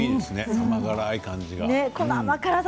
甘辛い感じ。